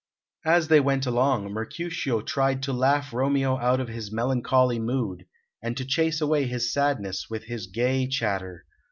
As they went along, Mercutio tried to laugh Romeo out of his melancholy mood, and to chase away his sadness with his gay chatter.